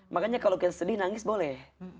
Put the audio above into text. makanya kalau kita sedih nangis boleh